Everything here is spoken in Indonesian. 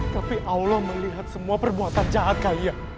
tapi allah melihat semua perbuatan jahat kalian